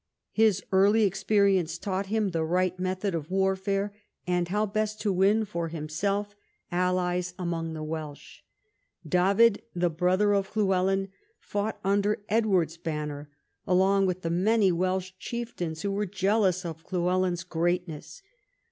His early experience taught him the right method of warfare, and how best to win for himself allies among the Welsh, David, the brother of Llywelyn, fought under Edward's banner, along with the many Welsh chieftains who were jealous of Lhnvelyn's greatness.